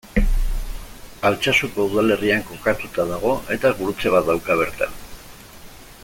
Altsasuko udalerrian kokatuta dago eta gurutze bat dauka bertan.